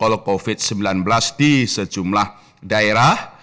dengan penerapan protokol covid sembilan belas di sejumlah daerah